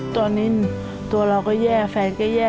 ตอนนี้ตัวเราก็แย่แฟนก็แย่